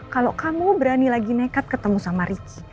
kalau kamu berani lagi nekat ketemu sama ricky